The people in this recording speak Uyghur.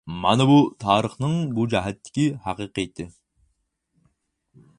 مانا بۇ، تارىخنىڭ بۇ جەھەتتىكى ھەقىقىتى.